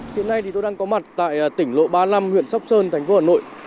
hiện nay thì tôi đang có mặt tại tỉnh lộ ba mươi năm huyện sóc sơn thành phố hà nội